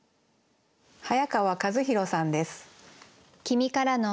早川和博さんです。